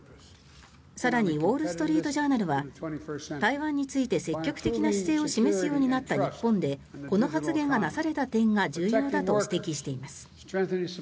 更にウォール・ストリート・ジャーナルは台湾について積極的な姿勢を示すようになった日本でこの発言がなされた点が重要だと指摘しています。